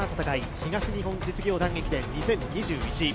東日本実業団駅伝２０２１。